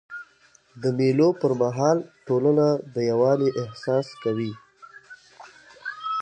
د مېلو پر مهال ټولنه د یووالي احساس کوي.